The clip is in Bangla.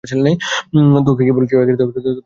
তোকে কি বলেছি তার ছেলে নেই?